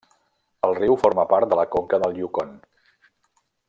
El riu forma part de la conca del Yukon.